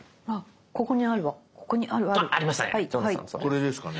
これですかね？